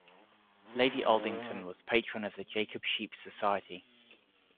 Lady Aldington was Patron of the Jacob Sheep Society.